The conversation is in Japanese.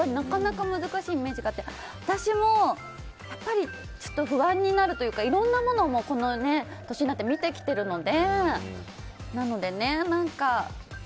難しいイメージがあって私もやっぱり不安になるというかいろんなものもこの年になって見てきているので。